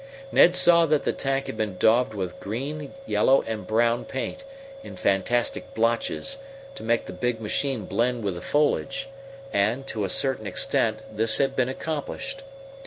Ned saw that the tank had been daubed with green, yellow, and brown paint, in fantastic blotches, to make the big machine blend with the foliage; and, to a certain extent, this had been accomplished.